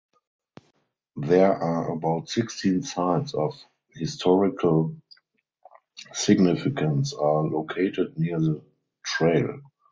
There are about sixteen sites of historical significance are located near the trail.